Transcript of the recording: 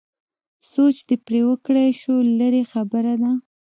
سوچ دې پرې وکړای شو لرې خبره ده.